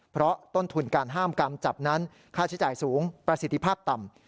เพราะต้นทุนการห้ามกำจับนั้นค่าใช้จ่ายสูงประสิทธิภาพต่ำ